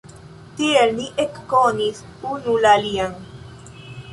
Tiel ni ekkonis unu la alian.